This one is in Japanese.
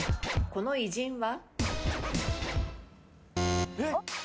この偉人は？